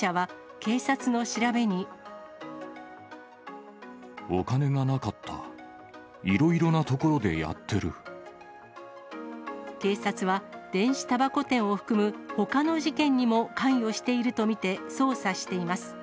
警察は、電子たばこ店を含むほかの事件にも関与していると見て捜査しています。